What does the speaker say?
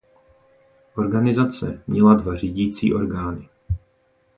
Organizace měla dva řídící orgány.